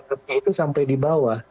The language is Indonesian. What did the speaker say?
truknya itu sampai di bawah